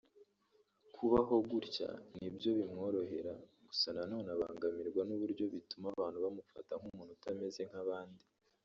Kubaho gutya nibyo bimworohera gusa nanone abangamirwa n’uburyo bituma abantu bamufata nk’umuntu utameze nk’abandi